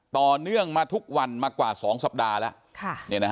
ต่อเนื่องมาทุกวันมากว่า๒สัปดาห์แล้ว